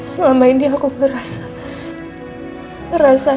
selama ini aku merasa